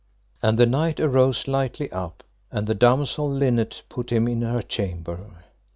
And the knight arose lightly up, and the damosel Linet put him in her chamber.